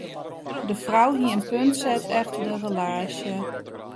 De frou hie in punt set efter de relaasje.